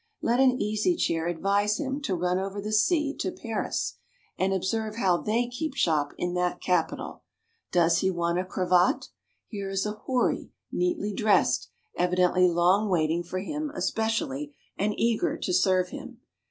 Let an Easy Chair advise him to run over the sea to Paris, and observe how they keep shop in that capital. Does he want a cravat? Here is a houri, neatly dressed, evidently long waiting for him especially, and eager to serve him.